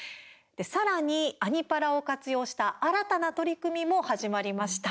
さらに「アニ×パラ」を活用した新たな取り組みも始まりました。